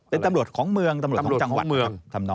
เป็นตำรวจของเมืองตำรวจของจังหวัดเมือง